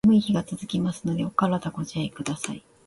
寒い日が続きますので、お体ご自愛下さい。